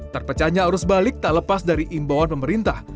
terpecahnya arus balik tak lepas dari imbauan pemerintah